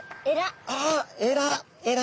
ああえら！